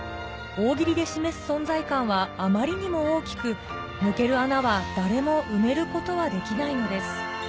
大喜利で示す存在感はあまりにも大きく、抜ける穴は誰も埋めることはできないのです。